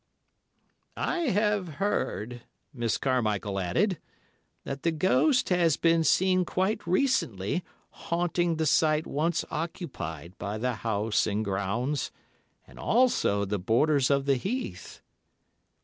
"I have heard," Miss Carmichael added, "that the ghost has been seen quite recently haunting the site once occupied by the house and grounds, and also the borders of the heath."